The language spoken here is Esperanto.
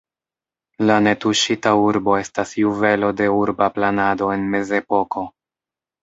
La netuŝita urbo estas juvelo de urba planado en mezepoko.